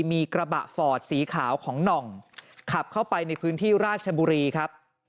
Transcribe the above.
มีกระบะฟอร์ดสีขาวของหน่องขับเข้าไปในพื้นที่ราชบุรีครับ